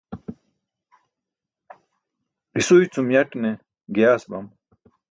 isuy cum yaṭne giyaas bam